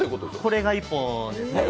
これが１本です。